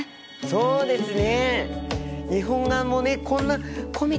そうですね。